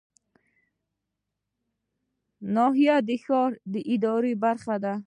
ناحیه د ښار اداري برخه ده